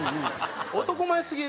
男前すぎる。